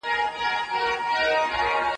دولتونه د نړیوالو کنوانسیونونو د تطبیق هڅه کوي.